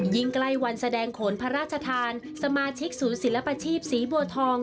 ใกล้วันแสดงโขนพระราชทานสมาชิกศูนย์ศิลปชีพศรีบัวทอง